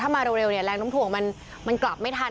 ถ้ามาเร็วเนี่ยแรงต้มถั่วมันกลับไม่ทันครับ